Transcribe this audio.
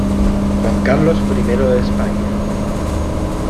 Juan Carlos I de España.